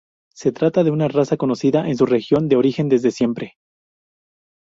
Se trata de una raza conocida en su región de origen desde siempre.